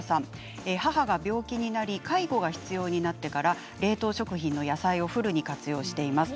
母が病気になり介護が必要になってから冷凍食品の野菜をフルに活用しています。